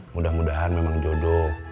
mudah mudahan memang jodoh